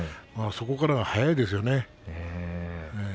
そこからが速いですね。